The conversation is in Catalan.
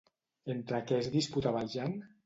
Entre què es disputava el Jan?